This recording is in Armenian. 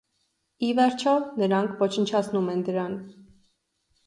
Ի վերջո, նրանք ոչնչացնում են դրան։